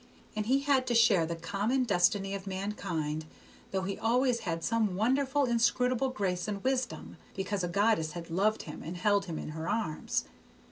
And he had to share the common destiny of mankind, though he always had some wonderful inscrutable grace and wisdom, because a goddess had loved him and held him in her arms.